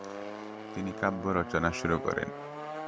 তিনি কাব্যরচনা শুরু করেন।